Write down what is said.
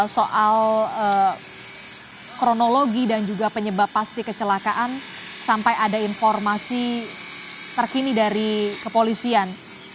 soal kronologi dan juga penyebab pasti kecelakaan sampai ada informasi terkini dari kepolisian